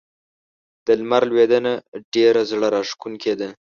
د لمر لوېدنه ډېره زړه راښکونکې ده.